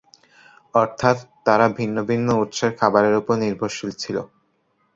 অর্থাৎ; তারা ভিন্ন ভিন্ন উৎসের খাবারের উপর নির্ভরশীল ছিল।